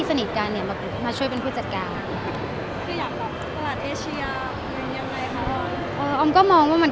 จริงไม่นานมากค่ะประมาณสองเดือน